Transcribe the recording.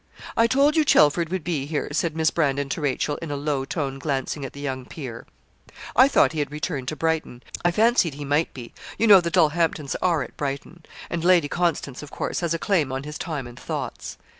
'I told you Chelford would be here,' said Miss Brandon to Rachel, in a low tone, glancing at the young peer. 'I thought he had returned to Brighton. I fancied he might be you know the Dulhamptons are at Brighton; and Lady Constance, of course, has a claim on his time and thoughts.'